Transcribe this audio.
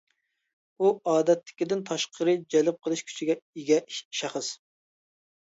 ئۇ ئادەتتىكىدىن تاشقىرى جەلپ قىلىش كۈچىگە ئىگە شەخس.